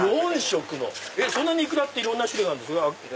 そんなにイクラっていろんな種類あるんですか⁉